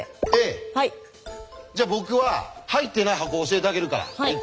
じゃ僕は入ってない箱を教えてあげるから。